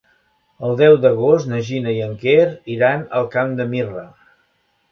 El deu d'agost na Gina i en Quer iran al Camp de Mirra.